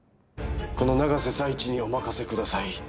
この永瀬財地にお任せください。